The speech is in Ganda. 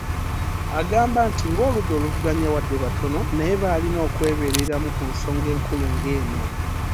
Agamba nti ,"Ng’oludda oluvuganya, wadde batono naye baalina okwebeereramu ku nsonga enkulu ng’eno".